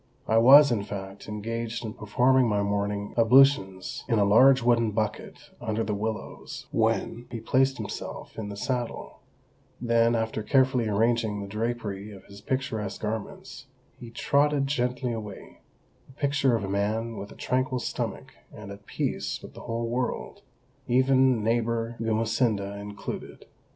I was, in fact, engaged in performing my morning ablutions in a large wooden bucket under the willows when he placed himself in the saddle; then, after carefully arranging the drapery of his picturesque garments, he trotted gently away, the picture of a man with a tranquil stomach and at peace with the whole world, even neighbour Gumesinda included.